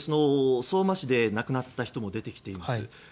相馬市で亡くなった人も出てきています。